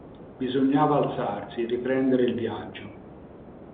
Bisognava alzarsi, riprendere il viaggio.